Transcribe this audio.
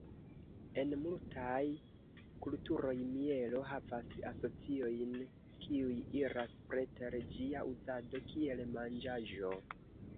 En multaj kulturoj, mielo havas asociojn kiuj iras preter ĝia uzado kiel manĝaĵo.